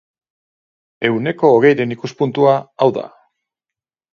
Ehuneko hogeiren ikuspuntua hau da.